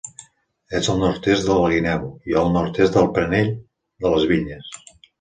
És al nord-est de la Guineu i al nord-oest del Planell de les Vinyes.